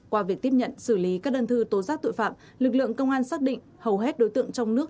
qua việc tiếp nhận xử lý các đơn thư tố giác tội phạm lực lượng công an xác định hầu hết đối tượng trong nước